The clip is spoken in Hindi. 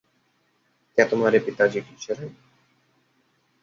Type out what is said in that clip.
क्या तुम्हारे पिताजी टीचर हैं?